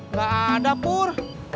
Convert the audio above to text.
gak ada pur